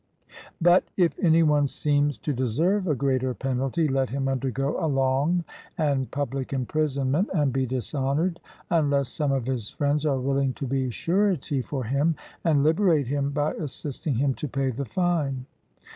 But if any one seems to deserve a greater penalty, let him undergo a long and public imprisonment and be dishonoured, unless some of his friends are willing to be surety for him, and liberate him by assisting him to pay the fine.